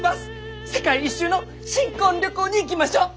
世界一周の新婚旅行に行きましょう！